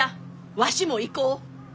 わしも行こう。